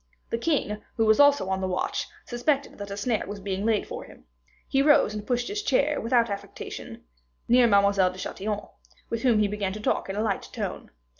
The king, who was also on the watch, suspected that a snare was being laid for him. He rose and pushed his chair, without affectation, near Mademoiselle de Chatillon, with whom he began to talk in a light tone.